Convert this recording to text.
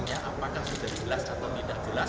apakah sudah jelas atau tidak jelas